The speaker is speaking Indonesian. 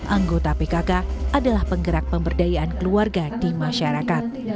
anggota pkk adalah penggerak pemberdayaan keluarga di masyarakat